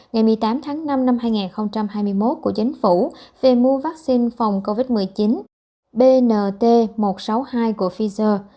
ngày một mươi tám tháng năm năm hai nghìn hai mươi một của chính phủ về mua vaccine phòng covid một mươi chín bnt một trăm sáu mươi hai của pfizer